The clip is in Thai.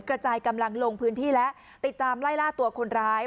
กระจายกำลังลงพื้นที่และติดตามไล่ล่าตัวคนร้าย